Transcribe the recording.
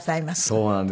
そうなんです。